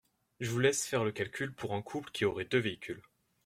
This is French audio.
Je vous laisse faire le calcul pour un couple qui aurait deux véhicules.